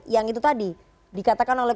yang itu tadi dikatakan oleh